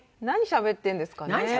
何しゃべってるんですかね。